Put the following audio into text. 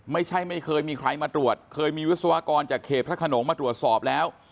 ไม่เคยมีใครมาตรวจเคยมีวิศวกรจากเขตพระขนงมาตรวจสอบแล้ว